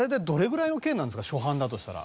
初犯だとしたら。